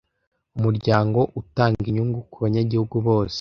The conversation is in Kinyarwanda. Umuryango utanga inyungu kubanyagihugu bose